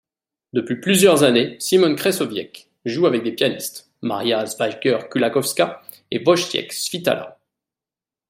Depuis plusieurs années, Szymon Krzeszowiec joue avec des pianistes: Maria Szwajger-Kułakowska et Wojciech Świtała.